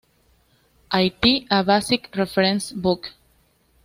Haiti: A Basic Reference Book.